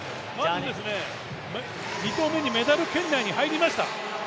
２投目にメダル圏内に入りました。